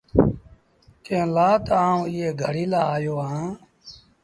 ڪݩهݩ لآ تا آئوٚنٚ ايٚئي گھڙيٚ لآ آيو اهآنٚ۔